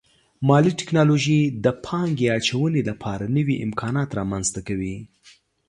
مالي ټکنالوژي د پانګې اچونې لپاره نوي امکانات رامنځته کوي.